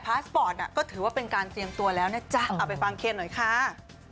พาสปอร์ตก็ถือว่าเป็นการเตรียมตัวแล้วนะจ๊ะเอาไปฟังเคนหน่อยค่ะ